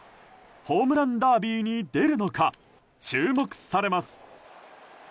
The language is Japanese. ホームランダービーに出るのか注目されます。